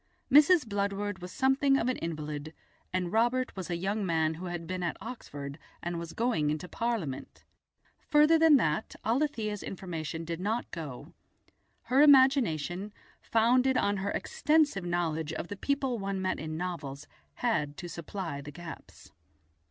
Mrs. Bludward was something of an invalid, and Robert was a young man who had been at Oxford and was going into Parliament. Further than that Alethia's information did not go; her imagination, founded on her extensive knowledge of the people one met in novels, had to supply the gaps.